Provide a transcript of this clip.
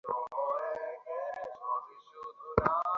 আমার মনে হয় না, সে তার সাথে খুব বেশি দূর যেতে পারত।